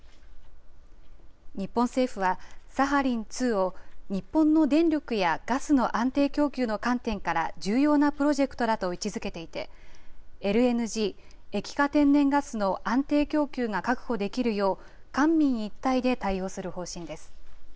日本政府は、サハリン２を日本の電力やガスの安定供給の観点から重要なプロジェクトだと位置づけていて、ＬＮＧ・液化天然ガスの安定供給が確保できるよう、官民一体で対応する方針です。